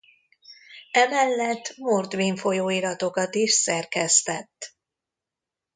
Emellett mordvin folyóiratokat is szerkesztett.